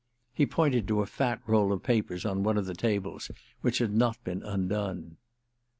He pointed to a fat roll of papers, on one of the tables, which had not been undone.